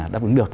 đáp ứng được